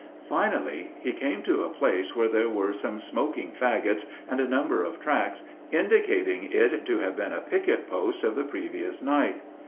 Finally he came to a place where there were some smoking fagots and a number of tracks, indicating it to have been a picket post of the previous night.